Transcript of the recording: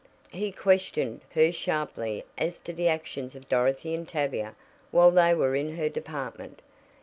He questioned her sharply as to the actions of Dorothy and Tavia while they were in her department.